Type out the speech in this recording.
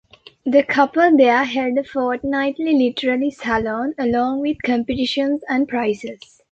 The couple there held a fortnightly literary salon along with competitions and prizes.